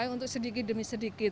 untuk sedikit demi sedikit